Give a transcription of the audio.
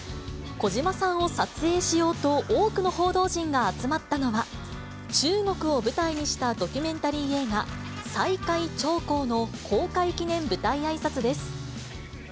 小島さんを撮影しようと、多くの報道陣が集まったのは、中国を舞台にしたドキュメンタリー映画、再会長江の公開記念舞台あいさつです。